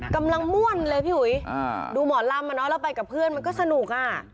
กำลังม่วนเลยพี่อุ๋ยดูหมอลำอ่ะเนอะแล้วไปกับเพื่อนมันก็สนุกอ่ะ